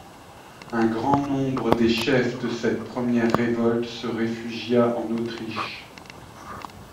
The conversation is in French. Un grand nombre des chefs de cette première révolte se réfugia en Autriche.